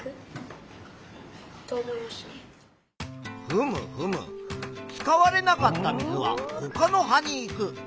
ふむふむ使われなかった水はほかの葉に行く。